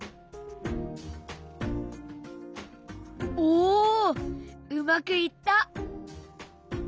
おうまくいった。